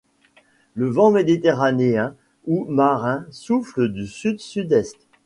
Le vent méditerranéen ou marin souffle du sud-sud-est.